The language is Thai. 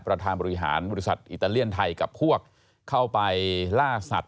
ประธานบริหารบริษัทอิตาเลียนไทยกับพวกเข้าไปล่าสัตว